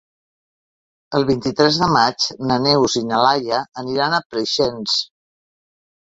El vint-i-tres de maig na Neus i na Laia aniran a Preixens.